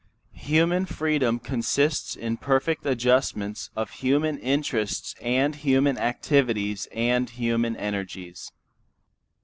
Human freedom consists in perfect adjustments of human interests and human activities and human energies.